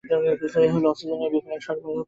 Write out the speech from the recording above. এ হলো অক্সিজেনের এক বিপুল সরবরাহকারী।